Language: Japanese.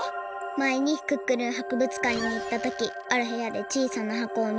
まえにクックルンはくぶつかんにいったときあるへやでちいさなはこをみつけたんだ。